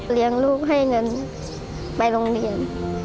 เลี้ยงลูกให้เงินไปโรงเรียน